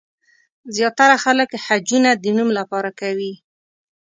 زیاتره خلک حجونه د نوم لپاره کوي.